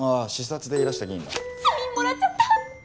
サインもらっちゃった！